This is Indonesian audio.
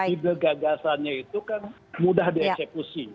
ide gagasannya itu kan mudah dieksekusi